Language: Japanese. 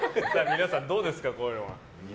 皆さんどうですか？